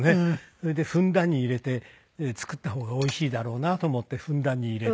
それでふんだんに入れて作った方がおいしいだろうなと思ってふんだんに入れて。